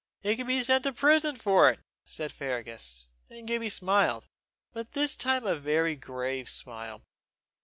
He could be sent to prison for it, said Fergus; and Gibbie smiled but this time a very grave smile.